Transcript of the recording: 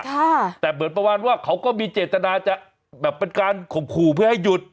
แต่เหมือนประมาณว่าเขาก็มีเจตนาจะแบบเป็นการข่มขู่เพื่อให้หยุด